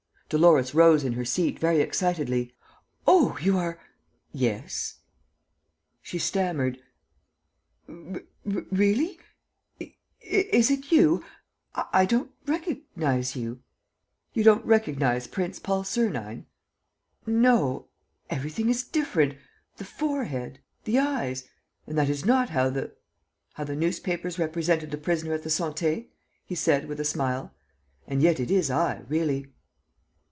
Dolores rose in her seat, very excitedly: "Oh, you are ..." "Yes." She stammered: "Really? ... Is it you? ... I do not recognize you." "You don't recognize Prince Paul Sernine?" "No ... everything is different ... the forehead ... the eyes. ... And that is not how the ..." "How the newspapers represented the prisoner at the Santé?" he said, with a smile. "And yet it is I, really."